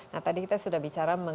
nah tadi kita sudah bicara